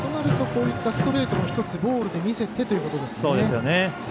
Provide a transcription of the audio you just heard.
こういったストレートもボールで見せてということですね。